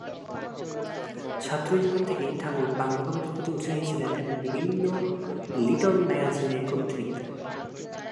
ছাত্র জীবন থেকেই ঠাকুর বাংলা কবিতার প্রতি উৎসাহী ছিলেন এবং বিভিন্ন লিটল ম্যাগাজিনে কবিতা লিখতেন।